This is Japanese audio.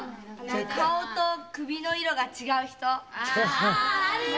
「顔と首の色が違う人」